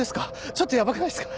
ちょっとやばくないっすか？